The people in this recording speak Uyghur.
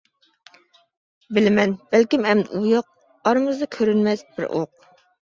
بىلىمەن بەلكىم ئەمدى ئۇ يوق ئارىمىزدا كۆرۈنمەس بىر ئوق.